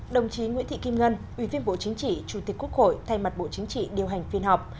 đồng chí nguyễn thị kim ngân ủy viên bộ chính trị chủ tịch quốc hội thay mặt bộ chính trị điều hành phiên họp